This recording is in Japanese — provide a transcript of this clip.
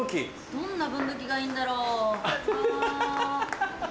どんな分度器がいいんだろう？ハハハ！